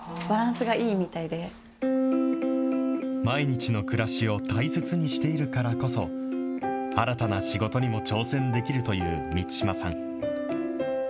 毎日の暮らしを大切にしているからこそ、新たな仕事にも挑戦できるという満島さん。